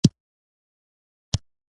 پام چې خوږ مې نه کړې